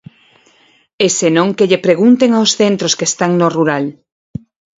E se non que lle pregunten aos centros que están no rural.